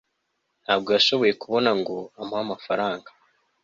ntabwo yashoboye kubona ngo amuhe amafaranga